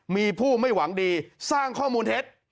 มีผู้ไม่หวังดีสร้างข้อมูลเท็จ